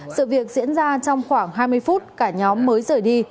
sự việc diễn ra trong khoảng hai mươi phút cả nhóm mới rời đi